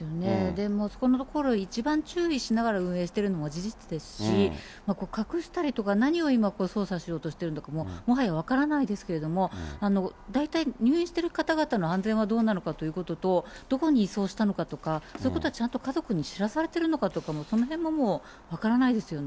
でもそこのところ、一番注意しながら運営してるのは事実ですし、隠したりとか、何を今捜査しようとしてるのかももはや分からないですけれども、大体入院している方々の安全はどうなのかというところとどこに移送したのかとか、そういうことはちゃんと家族に知らされてるのかとか、そのへんはもう分からないですよね。